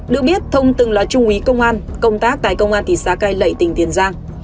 được biết thông từng là trung úy công an công tác tại công an thị xá cây lệ tỉnh tiền giang